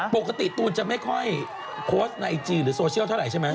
ตูนจะไม่ค่อยโพสต์ในไอจีหรือโซเชียลเท่าไหรใช่ไหม